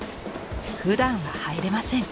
ふだんは入れません。